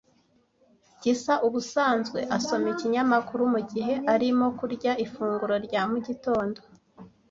Gisa ubusanzwe asoma ikinyamakuru mugihe arimo kurya ifunguro rya mugitondo.